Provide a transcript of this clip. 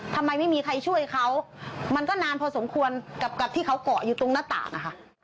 ทำไมไม่มีใครช่วยเขามันก็นานพอสมควรกับที่เขาเกาะอยู่ตรงหน้าต่างนะคะ